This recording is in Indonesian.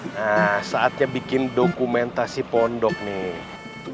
nah saatnya bikin dokumentasi pondok nih